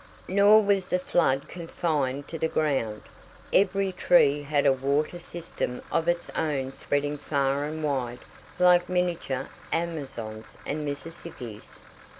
Nor was the flood confined to the ground. Every tree had a water system of its own spreading far and wide like miniature Amazons and Mississippis.